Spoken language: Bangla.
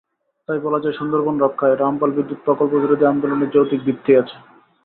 তাই বলা যায়, সুন্দরবন রক্ষায় রামপাল বিদ্যুৎ প্রকল্পবিরোধী আন্দোলনের যৌক্তিক ভিত্তি আছে।